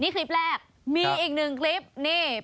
คลิปแรกมีอีกนึงคลิปนี้